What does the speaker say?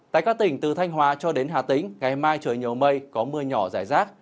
tại các tỉnh từ thanh hóa cho đến hà tĩnh ngày mai trời nhiều mây có mưa nhỏ rải rác